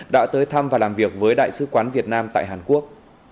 đã tới thăm và làm việc với đại sứ quán việt nam tại hàn quốc